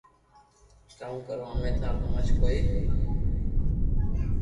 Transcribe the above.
ڪاوُ ڪرو امي ٿارو ھمج ڪوئي ّ